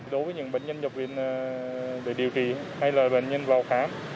đối với những bệnh nhân nhập viên được điều trị hay là bệnh nhân vào khám